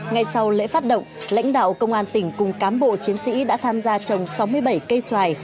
ngay sau lễ phát động lãnh đạo công an tỉnh cùng cám bộ chiến sĩ đã tham gia trồng sáu mươi bảy cây xoài